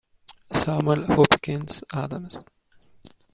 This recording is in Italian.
Samuel Hopkins Adams